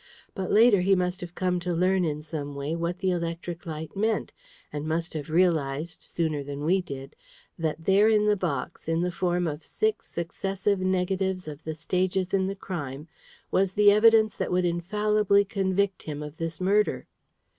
But later, he must have come to learn in some way what the electric light meant, and must have realised, sooner than we did, that therein the box, in the form of six successive negatives of the stages in the crime, was the evidence that would infallibly convict him of this murder."